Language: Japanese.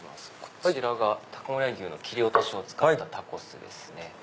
こちらが高森和牛の切り落としを使ったタコスです。